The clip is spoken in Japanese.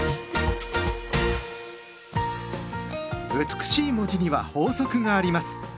美しい文字には法則があります。